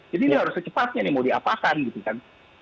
jadi ini harus secepatnya nih mau diapakan gitu kan